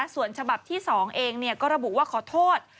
ส่วนฉบับที่๒เองก็ระบุว่าขอโทษ